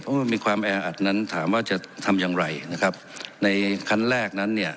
เพราะว่ามีความแออัดนั้นถามว่าจะทำอย่างไรนะครับในขั้นแรกนั้นเนี่ย